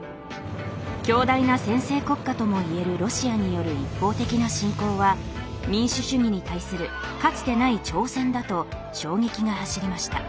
強大な専制国家ともいえるロシアによる一方的な侵攻は民主主義に対するかつてない挑戦だと衝撃が走りました。